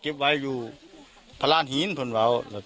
สีอะไรคุณแม่ทำได้ไหมรองเท้า